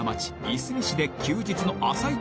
いすみ市で休日の朝市